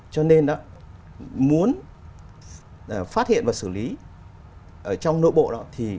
cho nên đó muốn phát hiện và xử lý trong nội bộ đó